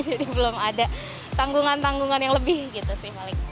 jadi belum ada tanggungan tanggungan yang lebih gitu sih